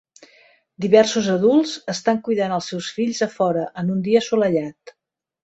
Diversos adults estan cuidant els seus fills a fora en un dia assolellat.